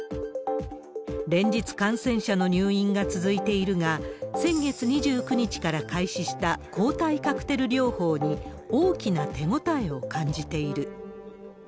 連日感染者の入院が続いているが、先月２９日から開始した抗体カクテル療法に、大きな手応えを感じている。